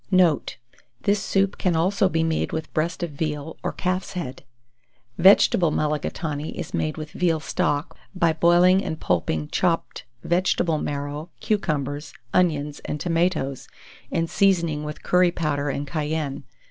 Note. This soup can also be made with breast of veal, or calf's head. Vegetable Mullagatawny is made with veal stock, by boiling and pulping chopped vegetable marrow, cucumbers, onions, and tomatoes, and seasoning with curry powder and cayenne.